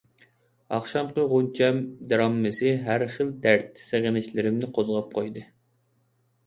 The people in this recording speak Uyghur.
ئاخشامقى غۇنچەم دىرامىسى ھەر خىل دەرد، سېغىنىشلىرىمنى قوزغاپ قويدى.